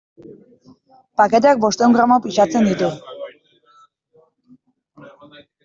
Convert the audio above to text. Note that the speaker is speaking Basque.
Paketeak bostehun gramo pisatzen ditu.